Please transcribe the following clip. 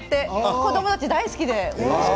子どもたち大好きで。